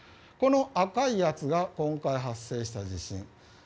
この赤いやつが今回発生した地震。